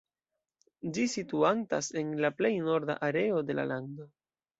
Ĝi situantas en plej norda areo de la lando.